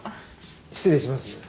失礼します。